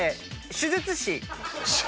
手術師？